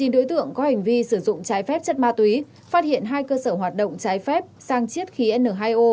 một mươi đối tượng có hành vi sử dụng trái phép chất ma túy phát hiện hai cơ sở hoạt động trái phép sang chiết khí n hai o